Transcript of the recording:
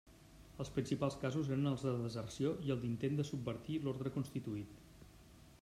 Els principals casos eren els de deserció i el d'intent de subvertir l'orde constituït.